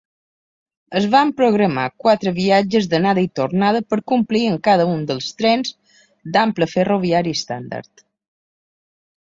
Es van programar quatre viatges d'anada i tornada per complir amb cada un dels trens d'ample ferroviari estàndard.